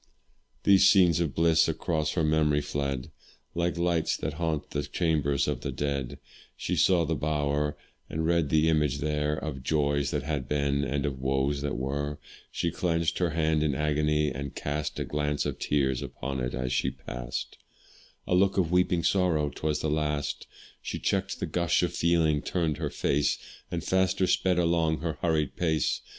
These scenes of bliss across her memory fled, Like lights that haunt the chambers of the dead, She saw the bower, and read the image there Of joys that had been, and of woes that were; She clench'd her hand in agony, and cast A glance of tears upon it as she past, A look of weeping sorrow 'twas the last! She check'd the gush of feeling, turned her face, And faster sped along her hurried pace.